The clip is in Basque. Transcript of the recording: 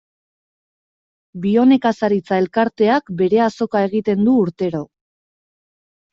Bionekazaritza elkarteak bere azoka egiten du urtero.